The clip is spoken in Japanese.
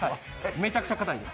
めちゃくちゃ硬いです。